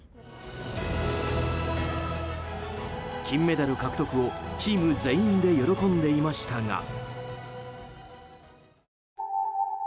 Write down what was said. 金メダル獲得をチーム全員で喜んでいましたが。